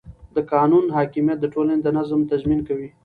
د قانون حاکمیت د ټولنې د نظم تضمین کوي